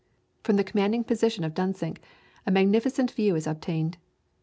From the commanding position of Dunsink a magnificent view is obtained.